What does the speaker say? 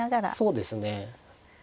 そうですね。